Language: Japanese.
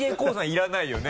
いらないよね？